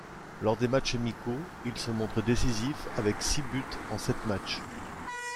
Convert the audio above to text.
Lors des matches amicaux, il se montre décisif avec six buts en sept matches.